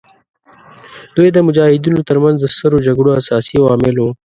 دوی د مجاهدینو تر منځ د سترو جګړو اساسي عوامل وو.